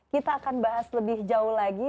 kita akan bahas lebih jauh lagi